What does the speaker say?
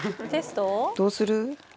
どうする？